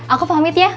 aku pamit ya